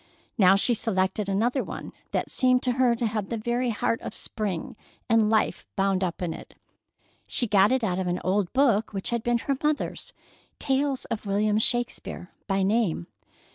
Now she selected another one that seemed to her to have the very heart of spring and life bound up in it. She got it out of an old book which had been her mother's—"Tales of William Shakespeare," by name.